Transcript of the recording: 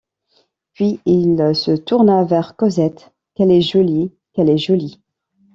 Puis il se tourna vers Cosette: — Qu’elle est jolie! qu’elle est jolie !